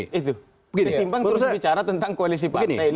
ketimbang terus bicara tentang koalisi partai ini